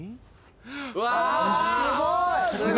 うわすごい！